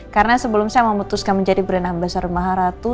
karena sebelum saya memutuskan menjadi brand ambasar rumah haratu